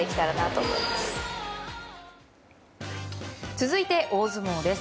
続いて、大相撲です。